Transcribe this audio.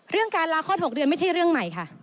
การลาคลอด๖เดือนไม่ใช่เรื่องใหม่ค่ะ